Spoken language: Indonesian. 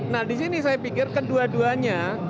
nah disini saya pikir kedua duanya